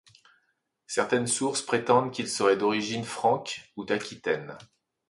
Certaines sources prétendent qu'il serait d'origine franque ou d'Aquitaine.